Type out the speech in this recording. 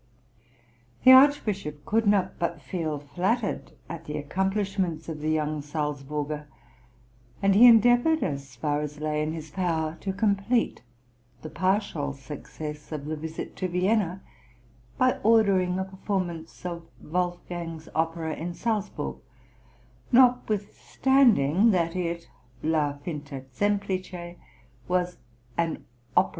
THE Archbishop could not but feel flattered at the accomplishments of the young Salzburger, and he endeavoured, as far as lay in his power, to complete the partial success of the visit to Vienna by ordering a performance of Wolfgang's opera in Salzburg, notwithstanding that it was "an opera buffa, {THE ITALIAN TOUR.